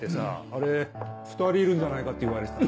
あれ２人いるんじゃないかっていわれてた。